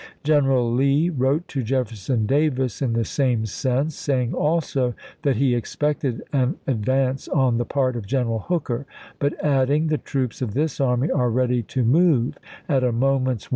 Feb. 5, 1863. General Lee wrote to Jeff erson Davis in the same sense, saying also that he expected an advance on the part of General Hooker ; but adding, " the troops of this army are ready to move at a moment's w.